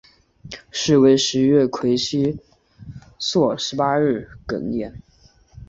时为十月癸酉朔十八日庚寅。